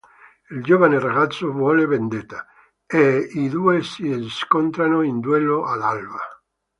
Il giovane ragazzo vuole vendetta, e i due si scontrano in duello all'alba.